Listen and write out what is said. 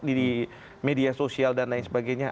di media sosial dan lain sebagainya